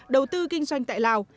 đầu tư kinh doanh tại lào